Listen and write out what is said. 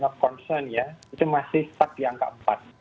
of concern ya itu masih stuck di angka empat